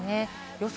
予想